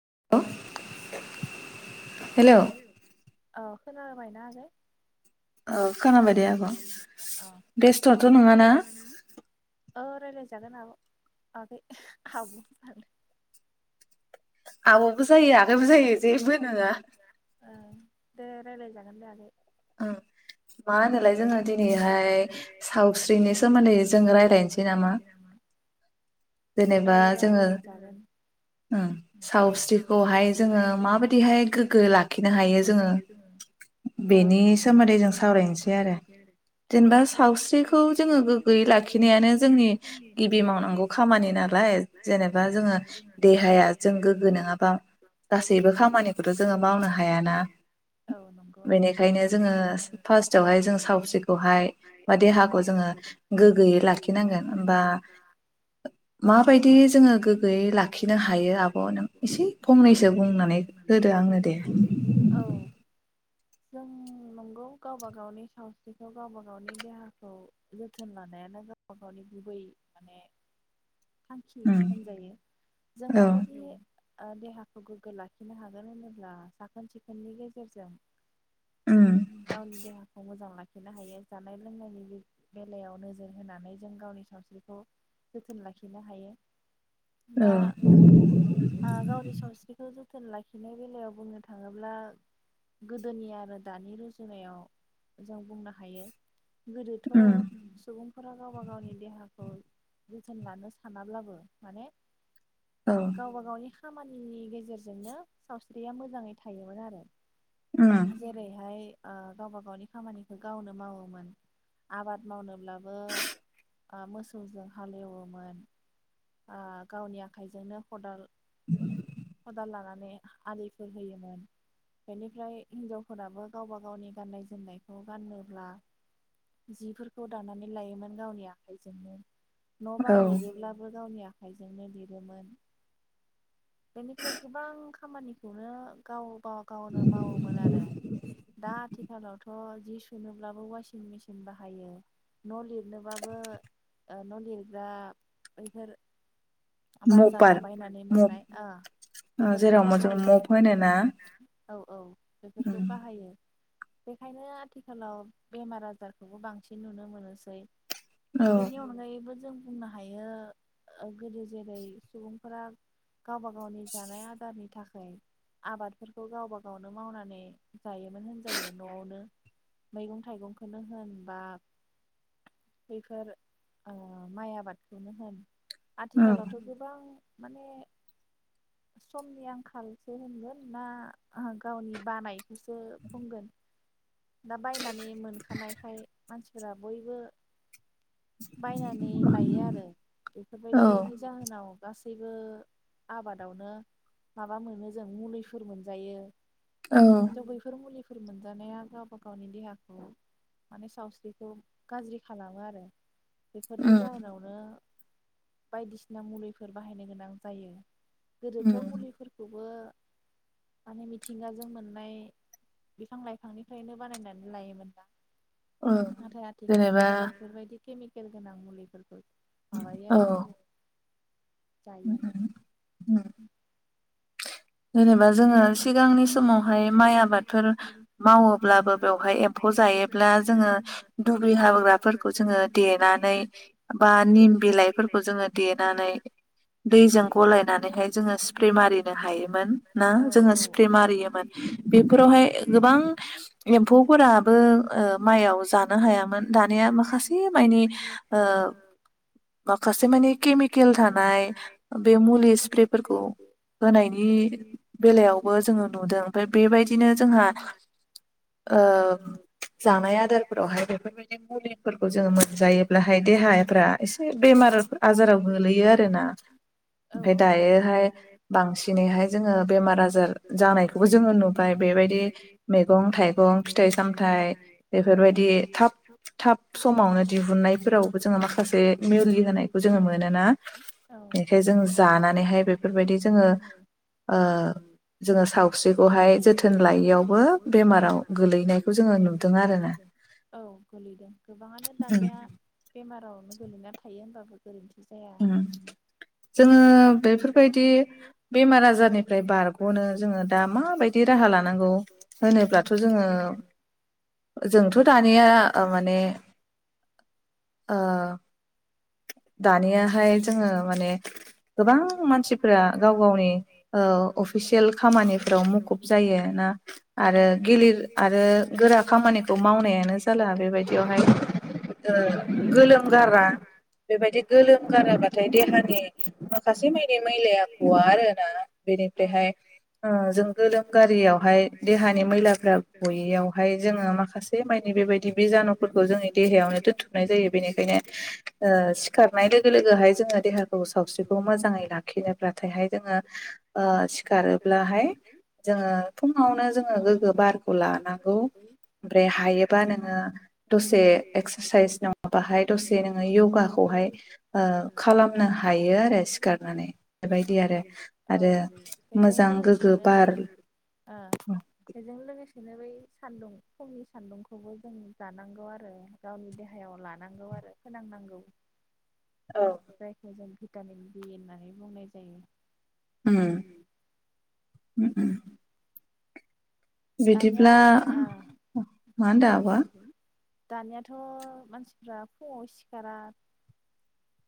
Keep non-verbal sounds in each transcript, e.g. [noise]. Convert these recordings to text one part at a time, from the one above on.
[unintelligible] औ खोनाबायना आगै? औ खोनाबाय दे आब' बेस्थथ नंङाना? औ रायजलायजागोन आब'आगै आब' [unintelligible] आबबो जायो आगैबो जायो जेबो नंङा दे रायलाय जागोन दे आगै ओ मा होनोलाय जोंङो दिनैहाय सावस्रिनि सोमोन्दै जों रायलायनोसै नामा? जेनेबा जोंङो उम सावस्रिखौहाय जोंङो माबायदिहाय गोग्गो लाखिनो हायो जोंङो बेनि सोमोन्दै जों सावरायनोसै जेनेबा सावस्रिखौ जोंङो गोग्गोयै लाखिनायानो जोंनि गिबि मावनांगौ खामानि नालाय जेनेबा जोंङो देहाया जों गोग्गो नंनोङाबा गासैबो खामानिखौथ जोंङो मावनो हायना बेनिखायनो जोंङो फास जेरावहाय जों सावस्रिखौहाय बा देहाखौ जोंङो गोगोयै लाखिनांगोन होमबा औ जों नंगौ गावबा गाव गावनि सावस्रिखौ गावबा गावनि देहाखौ जोथोन लानायानो गावबा गावनि गुबै माने थांखि होनजायो जों माबायदि हाय ओ देहाखौ गोग्गो लाखिनो हागोन होनोब्ला साखोन सिखोननि गेजेरजों गावनि देहा मोजां लाखिनो हायो जानाय लोंनायनि बे बेलायाव नोजोर होनानै जों गावनि सावस्रिखौ जोथोन लाखिनो हायो। दा आ गावनि सावस्रिखौ जो जोथोन लाखिनाय बेलायाव बुंनो थांङोब्ला गोदोनि आरो दानि रुजुनायाव जों बुंनो हायो गोदोथ सुबुंफोरा गावबा गावनि देहाखौ जोथोन लानो सानाब्लाबो माने गावबा गावनि खामानिनि गेजेरजोंनो सावस्रिया मोजांङै थायोमोन आरो जेरै हाय आ गावाबा गावनि खामानिखौ गावनो मावोमोन आबाद मावनोब्लाबो ओ मोसौजों हालेवोमोन। आ गावनि आखाइजोंनो खदाल खदाल लानानै आलिफोर होयोमोन बेनिफ्राय हिनजावफोराबो गावबा गावनि गाननाय जोमनायखौ गाननोब्ला जिफोरखौ दानानै लायोमोन गावनि आखाइजोंनो। न' बां लिरोब्लाबो गावनि आख खाइजोंबो लिरदोंमोन। बेनिफ्राय गोबां खामानिखौनो गाव नो गावनो मावोमोन आरो दा आथिखालावथ थ जि सुनोब्लाबो ववासिं मेसिन बाहायो न लिरनोबाबो ओ न लिरग्रा बैफोर बाजाराव बायनानै मोननाय आ बेफोरखौ बाहायो औ औ बेफोरखौ बाहायो। बेखायनो आथिखालाव बेमार आजारखौबो बांसिन नुनो मोनोसै। बेनि अनगायैबो जों बुंनो हायो ओ गोदो जेरै सुबुंफोरा गावबा गावनि जानाय आदारनि थाखाय आबादफोरखौ गावब गावनो मावनानै जायोमोन होनजायो नआवनो मैगं थाइगंखौनो होन बा बेफोर ओ माइ आबादखौनो होन आथिखालावथ गोबां माने समनि आंखालसो होनगोन ना गावनि बानाय सो बुंगोन। दा बायनानै मोनखानायखाय मानसिफोरा बयबो बायनानै लायो आरो बेफोरबायदिनि जाहोनाव गासैबो आबादावनो माबा मोनो जों मुलिफोर मोनजायो। थ बैफोर मुलिफो फोर मोनजानाया गावबा गावनि देहाखौ माने सावस्रिखौ गाज्रि खालामो आरो बेफोरनि जाहोनावनो बायदिसिना मुलिफोर बाहायनो गोनां जायो। गोदोथ मुलिफोरखौबो माने मिथिंगाजों मोननाय बिफां लाइफांनिफ्रायनो बानायनानै लायोमोन ना नाथाय आथिखालावसो बेफोरबायायदि केमिकेल गोनां मुलिफोर उम माबायो आरो उम उम उ उम जेनेबा जोङो सिगांनि समावहाय माइ आबादफोर मावोब्लाबो बेवहाय एम्फौ जायोब्ला जोङो दुब्रि हाबोग्राफोरखौ जोङो देनानै बा निम बिलाइफोरखौ जोङो देनानै दैजों गलायनानैहाय जोङो स्प्रे मारिनो हायो मोन ना जोङा स्प्रे मारियोमोन बेफोरावहाय गोबां एम्फौफोराबो ओ माइयाव जानो हायामोन दानिया माखासे माने ओ माखासे माने केमिकेल थानाय बे मुलि स्प्रेफोरखौ होनायनि बेलायावबो जोङो नुदों ओमफ्राय बेबायदिनो जोंहा ओ जानाय आदारफोरावहाय बेफोरबायदि मुलिफोरखौ जोङो मोनजायोब्लाहाय देहाफ्रा एसे बेमार आजाराव गोलैयो आरोना ओमफफ्राय दायोहाय बांसिन हाय जोङो बेमार आजार जानायखौबो जोङो नुबाय बेबायदि मेगं थाइगं फिथाइ सामथाइ बेफोरबायदि थाब थाब समावनो दिहुननायफोरावबो जोङो माखासे मेवलि होनायखौ जोङो मोनोना बेखायनो जों जानानैहाय बेफोरबायदि जोङो जोङो सावख्रिखौहाय जोथोन लायैयावबो बेमाराव गोलैनायखौ जोङो नुदों आरो औ गोलैदों गोबाङानो दानिया बेमाराव गोलैना थायो होनोमबाबो गोरोन्थि। जाया उम जोंङो बेफोरबायदि आजारनिफ्राय बारगनो जोङो दा माबायदि राहा लानांगौ होनोब्लाथ जोङो जोंथ दानिया अ माने आ। दानियाहाय जोङो माने गोबां मानसिफोरा गाव गावनि ओ अफिसियेल खामानिफोराव मुखुब जायो ना आरो गिलिर आरो गोरा खामानिखौ मावनायानो जाला बेबायदियावहाय गोलोम गारा बेबायदि गोलोम गाराबाथाय देहानि माखासे माइानि मैलाया गवा आरोना बेनिफ्रायहाय जों गोलोम गारियावहाय देहानि मैलाफ्रा गयैयावहाय जोङो माखासे मानि बेबायदि बिज जानुफोरखौ जोंनि देहायावनो दोनथुमनाय जायो बेनिखायनो ओ सि सिखारनाय लोगो लोगोहाय जोङो देहाखौ सावस्रिखौ मोजाङै लाखिनोब्लाथायहाय जोङो ओ सिखारोब्लाहाय जोङो फुङावनो जोङो गोग्गो बारखौ लानांगौ ओमफ्राय हायोबा नोङो दसे एक्सारसाइस नङाबाहाय दसे नोङो यगाखौहाय ओ खालामनो हायो आरो सिखारनानै बेबायदि आरो आरो मोजां गोग्गो बार लोगोसेनो बै सान्दुं फुंनि सान्दुंखौबो जों जानांगौ आरो गावनि देहायाव लानांगौ आरो फोनां नांगौ जायखौ जों भिटामिन बि होननानै बुंनाय जायो। उम उ उ बिदिब्ला मा होनदो आबया दानियाथ मानसिफ्रा फुङाव सिखारा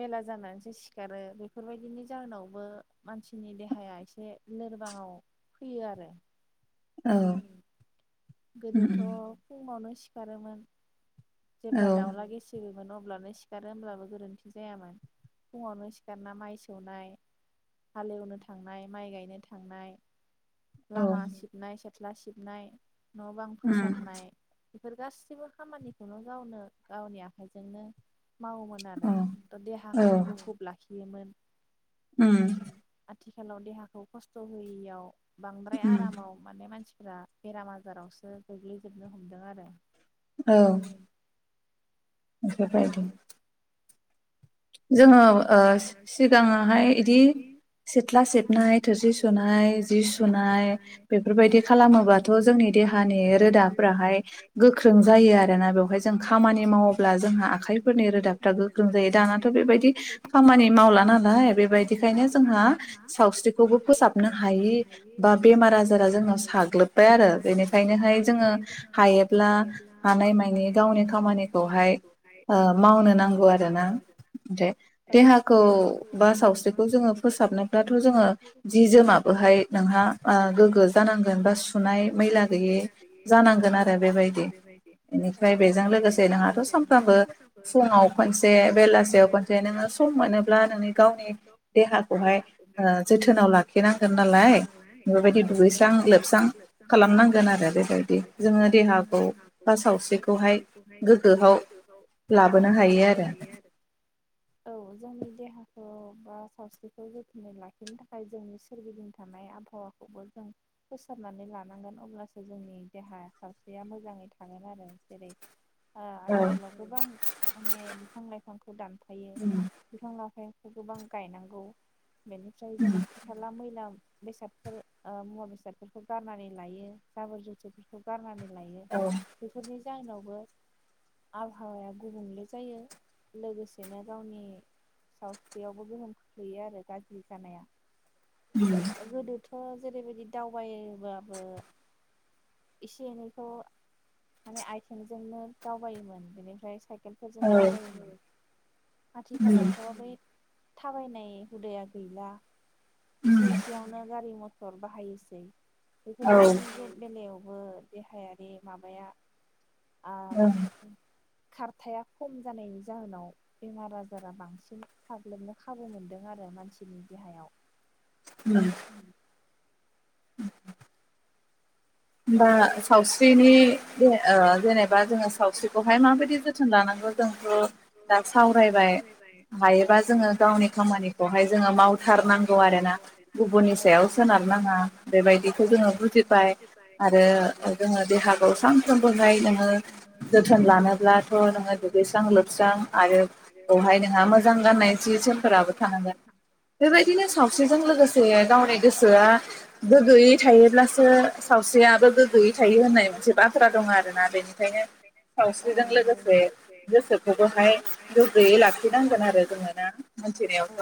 बेला जानानैसो सिखारो बेफोरबायदिनि जाहोनावबो मानसिनि देहाया एसे लोरबाङाव फैयो आरो औ। गोदोथ फुं फुंवानो सिखारोमोन जेब्ला दाउला गेसेरो मोन अ अब्लानो सिखारो होमब्लाबो गोरोन्थि जायामोन फुङावनो सिखारना माइ सौनाय हालेवनो थांनाय माइ गायनो थांनाय लामा सिबनाय सिला सिबनाय न बां फोसाबनाय बेफोर गाससिबो खामानिखौनो गावनो गावनि आखाइजोंनो मावोमोन आरो थ देहाखौ मुखुब लाखि योमोन। उम आथिखालाव देहाखौ खस्थ होयैयाव बांद्राय आरामाव माने मानसि फोरा बेराम आजारावसो गोग्लैजोबनो हमदों आरो। औ [unintelligible] जोङो ओ सि-सिगाङावहाय इदि सिथ्ला सिबनाय, थोरसि सुनाय, जि सुनाय बेफोरबायदि खालामोबाथ' जोंनि देहानि रोदाफ्राहाय गोख्रों जायो आरोना बेवहाय जों खामानि मावोब्ला जोंहा आखाइफोरनि रोदाफ्रा गोख्रों जायो दाना खामानि मावला नालाय बेबायदिखायनो जोंहा सावस्रिखौबो फोसाबनो हायि बा बेमार आजारा जोंनाव साग्लोबबाय आरो बेनिखायनोहाय जोङो हायोब्ला हानाय मायनि गावनि खामानिखौहाय ओ मावनो नांगौ आरो ना। ओमफ्राय देहाखौ बा सावस्रिखौ जोङो फोसाबनोब्लाथ' जोङो जि जोमाबोहाय नोंहा ओ गोग्गो जानांगोन बा सुनाय मैला गैयि जानांगोन आरो बेबायदि। बेनिफ्राय बेजों लोगोसे नोंहाथ' सानफ्रामबो फुङाव खनसे बेलासेयाव सम मोनोब्ला नोंनि गावनि देहाखौहाय ओ जोथोनाव लाखिनांगोन नालाय बेबायदि दुगैस्रां लोबस्रां खालामनांगोन आरो बेबायदि जोङो देहाखौ बा सावस्रिखौहाय गोग्गोआव लाबोनो हायो आरो औ जोंनि देहाखौ बा सावस्रिखौ जोथोनै लाखिनो थाखाय जोंनि सोरगिदिं थानाय आबहावाखौबो जों फोसारनानै लानांगोन अब्लासो जोंनि देहा सावस्रिया मोजाङै थागोन आरो जेरै ओ आथिखालाव गोबां माने बिफां लाइफांखौ दानफायो बिफां लाफाइ गोबां गायनांगौ। बेनिफ्राय जों खाथि खाला मैलाम बेसादफोर ओ मुवा बेसादफोरखौ गारनानै लायो जाबोर जुथफोरखौ गारनानै लायो बेफोरनि जाहोनावबो आबहावाया गुबुंले जायो लोगोसेनो गावनि सावस्रियावबो गोहोम खोख्लैयो आरो गाज्रि जानाया। गोदो थ' जेरैबायदि दावबायोबाबो एसे एनैखौ माने आथिंजोंनो दावबायोमोन। बेनिफ्राय साइ सायकेलफोरजों दावबायोमोन आथिखालावथ' बै थाबायनाय हुदाया गैला। इसे एस गारि मथर बाहायोसै बेफोरबायदिनि बे-बेलायाव बो देहायारि माबाया आ खारथाया खम जानायनि जाहोनाव बेमार आजारा बांसिन साग्लोबनो खाबु मोनदों आरो मानसिनि देहायाव। उम [inaudible] होनबा सावस्रिनि बे ओ जेनेबा जोङो सावस्रिखौहाय माबायदि जोथोन लानांगौ जोंथ' दा सावरायबाय हायोबा जोङो गावनि खामानिखौहाय जोङो मावथारनांगौ आरोना गुबुननि सायाव सोनारनाङा बेबायदिखौ जोङो बुजिबाय। ओ जोङो देहाखौ सानफ्रोमबोहाय नोङो जोथोन लानोब्लाथ नोङो दुगैस्रां लोबस्रां आरो बेवहाय नोंहा मोजां गाननाय सि जोमफोराबो थानांगोन बेबायदिनो सावस्रिजों लोगोसे गावनि गोसोआ गोग्गोयै थायोब्लासो साव सावस्रियाबो गोग्गोयै थायो होननाय मोनसे बाथ्रा दङ आरोना बेनिखायनो सावस्रिजों लोगोसे गोसोखौबोहाय गोग्गोयै लाखिनांगोन आरो जों ना मोनथिनायावथ।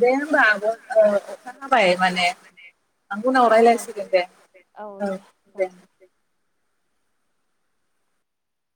दे होमबा आब‌ ओ अखा हाबाय माने उनाव रायज्लायसिगोन दे औ दे